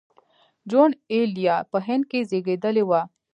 جون ایلیا په هند کې زېږېدلی و